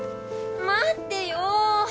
待ってよ。